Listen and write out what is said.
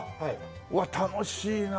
うわっ楽しいな。